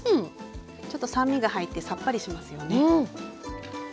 ちょっと酸味が入ってさっぱりしますよね。